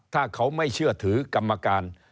ถ้าเขาไม่เชื่อถือกรรมการ